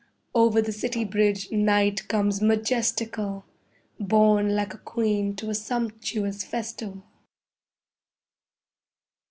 Over the city bridge Night comes majestical, Borne like a queen to a sumptuous festival.